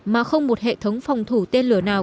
mà không một hệ thống phòng thủ tên lửa nào